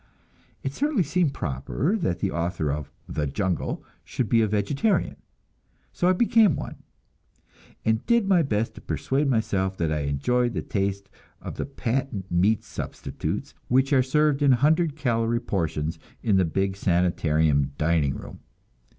It certainly seemed proper that the author of "The Jungle" should be a vegetarian, so I became one, and did my best to persuade myself that I enjoyed the taste of the patent meat substitutes which are served in hundred calory portions in the big Sanitarium dining room.